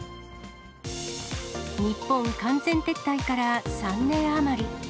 日本完全撤退から３年余り。